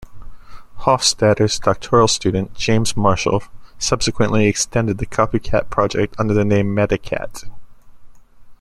Hofstadter's doctoral student James Marshall subsequently extended the Copycat project under the name "Metacat".